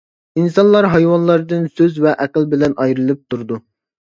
ئىنسانلار ھايۋانلاردىن سۆز ۋە ئەقىل بىلەن ئايرىلىپ تۇرىدۇ.